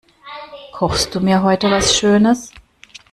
Kochst du mir heute was schönes?